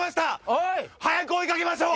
早く追い掛けましょう！